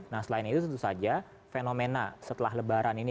nah selain itu tentu saja fenomena setelah lebaran ini